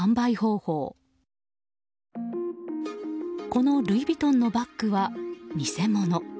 このルイ・ヴィトンのバッグは偽物。